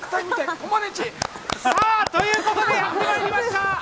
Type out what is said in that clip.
コマネチ！ということでやってまいりました